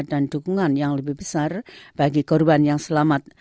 dan dukungan yang lebih besar bagi korban yang selamat